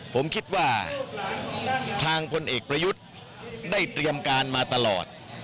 ผมคิดว่าทางพลเอกประยุทธ์ได้เตรียมการมาตลอด